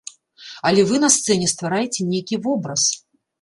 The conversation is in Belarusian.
Але вы на сцэне ствараеце нейкі вобраз.